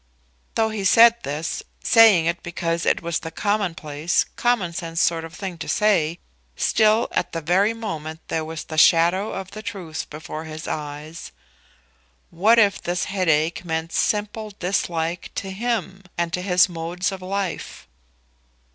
Though he said this, saying it because it was the common place common sense sort of thing to say, still at the very moment there was the shadow of the truth before his eyes. What if this headache meant simple dislike to him, and to his modes of life?